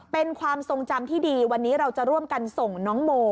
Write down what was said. เป็นความทรงจำที่ดีวันนี้เราจะร่วมกันส่งน้องโม